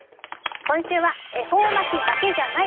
今週は「恵方巻だけじゃない！